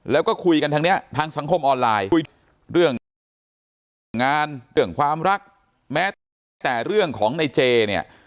แล้วก็คุยกันทั้งนี้ทางสังคมออนไลน์คุยเรื่องงานเรื่องความรักแม้แต่เรื่องของในเจเนี่ย